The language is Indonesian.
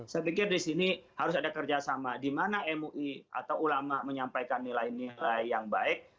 saya pikir di sini harus ada kerjasama di mana mui atau ulama menyampaikan nilai nilai yang baik